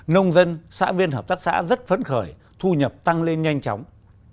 nông dân xã viên hợp tác xã rất phấn khởi thu nhập tăng lên nhanh chóng